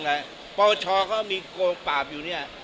ประวัติศาสตร์เขามีโกงปราบอยู่เนี่ย